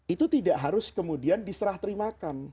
itu tidak harus kemudian diserah terimakan